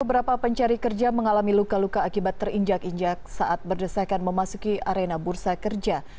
beberapa pencari kerja mengalami luka luka akibat terinjak injak saat berdesakan memasuki arena bursa kerja